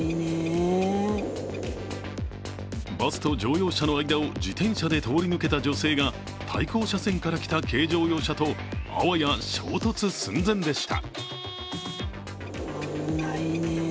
バスと乗用車の間を自転車で通り抜けた女性が対向車線から来た軽乗用車とあわや衝突寸前でした。